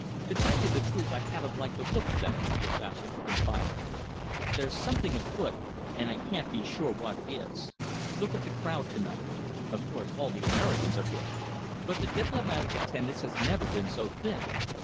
"To tell you the truth, I haven't liked the look of them," the Ambassador confided. "There's something afoot, and I can't be sure what it is. Look at the crowd to night. Of course, all the Americans are here, but the diplomatic attendance has never been so thin.